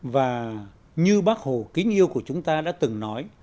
và như bác hồ kính yêu của chúng ta đã từng nói